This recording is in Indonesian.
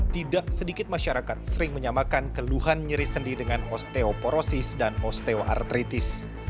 tidak sedikit masyarakat sering menyamakan keluhan nyeri sendi dengan osteoporosis dan osteoartritis